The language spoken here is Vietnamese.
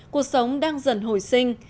cuộc sống đang dần hồi sinh